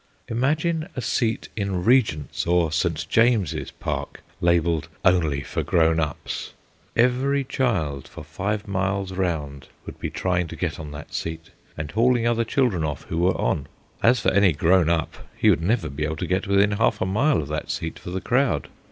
Imagine a seat in Regent's or St. James's Park labelled "Only for grown ups!" Every child for five miles round would be trying to get on that seat, and hauling other children off who were on. As for any "grown up," he would never be able to get within half a mile of that seat for the crowd.